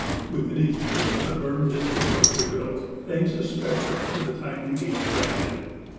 Within a year, the burned district was rebuilt, thanks especially to the timely aid granted.